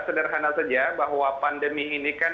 sederhana saja bahwa pandemi ini kan